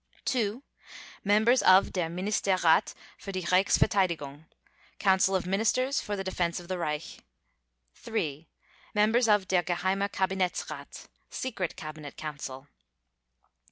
(ii) Members of der Ministerrat für die Reichsverteidigung (Council of Ministers for the Defense of the Reich). (iii) Members of der Geheimer Kabinettsrat (Secret Cabinet Council).